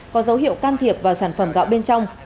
có dấu hiệu can thiệp vào sản phẩm gạo bên trong